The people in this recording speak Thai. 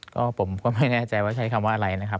ก็ผมก็ไม่แน่ใจว่าใช้คำว่าอะไรนะครับ